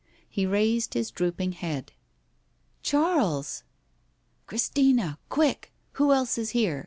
He raised his drooping head. "Charles!" "Christina, quick! Who else is here?